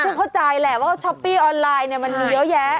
ดิฉันเข้าใจแหละว่าช้อปปี้ออนไลน์เนี่ยมันมีเยอะแยะ